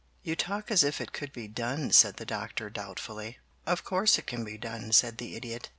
"You talk as if it could be done," said the Doctor doubtfully. "Of course it can be done," said the Idiot.